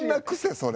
それ。